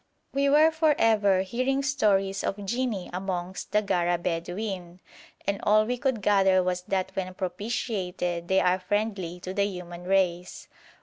We were for ever hearing stories of jinni amongst the Gara Bedouin, and all we could gather was that when propitiated they are friendly to the human race.